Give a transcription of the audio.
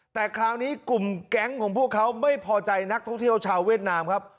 แต่คราวนี้กลุ่มแก๊งของพวกเขาไม่พอใจนักท่องเที่ยวชาวเวียดนามครับ